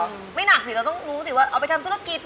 ไม่หนักสิเราต้องรู้สิว่าเอาไปทำธุรกิจ